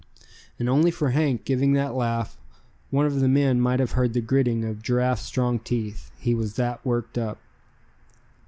And only for Hank giving that laugh, one of the men might have heard the gritting of Giraffe's strong teeth, he was that worked up.